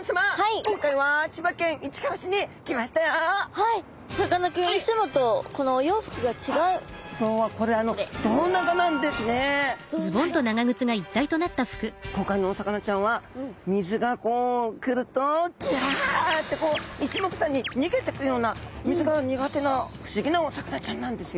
今回のお魚ちゃんは水がこう来ると「ギャ！」って一目散に逃げてくような水が苦手な不思議なお魚ちゃんなんですよ。